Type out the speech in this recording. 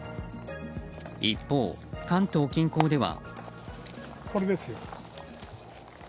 一方、関東近郊では。